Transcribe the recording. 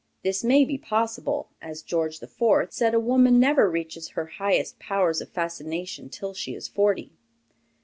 This may be possible, as George IV. said a woman never reaches her highest powers of fascination till she is forty.